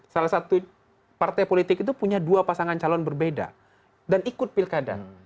salah satu partai politik itu punya dua pasangan calon berbeda dan ikut pilkada